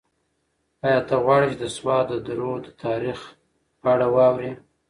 ایا ته غواړې چې د سوات د درو د تاریخ په اړه واورې؟